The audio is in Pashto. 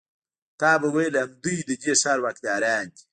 تا به ویل همدوی د دې ښار واکداران دي.